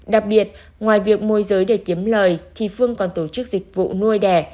đặc biệt ngoài việc môi giới để kiếm lời thì phương còn tổ chức dịch vụ nuôi đẻ